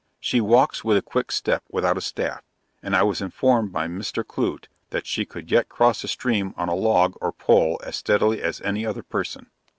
She walks with a quick step without a staff, and I was informed by Mr. Clute, that she could yet cross a stream on a log or pole as steadily as any other person.